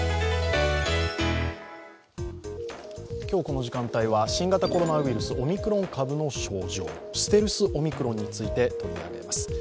今日、この時間帯は新型コロナウイルス、オミクロン株の症状、ステルスオミクロンについて取り上げます。